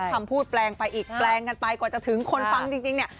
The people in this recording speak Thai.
คำพูดแปลงไปกว่าจะถึงคนฟังจริง